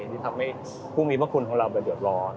ที่ทำให้ผู้มีพระคุณของเราไปเดือดร้อน